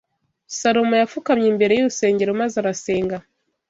Salomo yapfukamye imbere y’urusengero maze arasenga